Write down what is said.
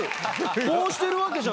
こうしてるわけじゃ。